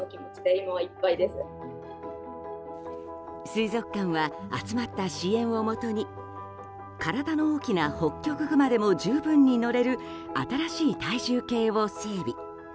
水族館は集まった支援をもとに体の大きなホッキョクグマでも十分に乗れる新しい体重計を整備。